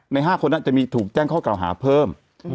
ใน๕คนจะมีถูกแก้งข้าวเก่าหาเพิ่ม